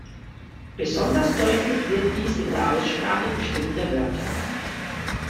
Besonders deutlich wird dies in der Aussprache bestimmter Wörter.